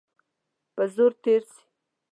په زور تېر سي.